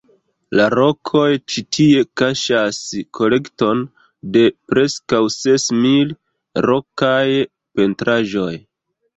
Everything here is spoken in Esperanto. La rokoj ĉi tie kaŝas kolekton de preskaŭ ses mil rokaj pentraĵoj.